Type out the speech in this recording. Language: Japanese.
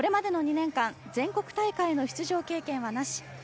これまでの２年間全国大会への出場経験はなし。